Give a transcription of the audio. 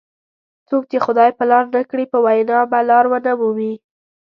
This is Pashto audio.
څوک چې خدای په لار نه کړي په وینا به لار ونه مومي.